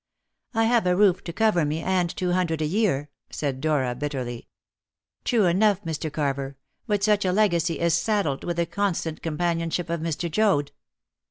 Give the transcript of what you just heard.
"I have a roof to cover me, and two hundred a year," said Dora bitterly. "True enough, Mr. Carver. But such a legacy is saddled with the constant companionship of Mr. Joad."